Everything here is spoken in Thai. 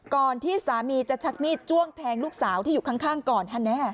ก่อนที่สามีจะชักมีดจ้วงแทงลูกสาวที่อยู่ข้างก่อนฮะแน่